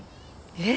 えっ？